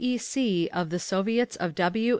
E. C. of the Soviets of W.